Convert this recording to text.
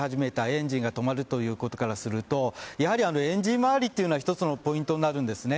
エンジンが止まるということからするとやはりエンジン周りは１つのポイントになるんです。